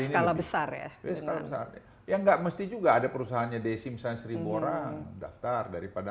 yang lebih besar ya enggak mesti juga ada perusahaannya desi desi borang daftar daripada